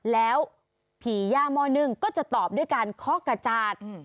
แล้วผีย่าหม้อนึ่งก็จะตอบด้วยการเคาะกระจาด